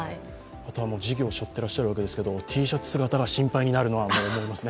事業を背負っていらっしゃるわけですけど、Ｔシャツ姿が心配になりますね。